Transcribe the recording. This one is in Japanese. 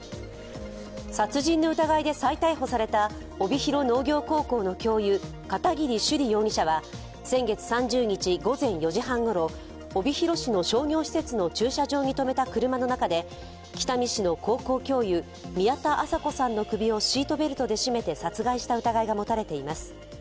殺人の疑いで再逮捕された帯広農業高校の教諭片桐朱璃容疑者は先月３０日午前４時半ごろ、帯広市の商業施設の駐車場に止めた車の中で北見市の高校教諭、宮田麻子さんの首をシートベルトで絞めて殺害した疑いがもたれています。